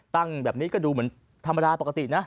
แบบนี้ก็ดูเหมือนธรรมดาปกตินะ